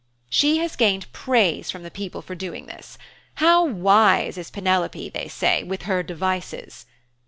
'She has gained praise from the people for doing this. "How wise is Penelope," they say, "with her devices."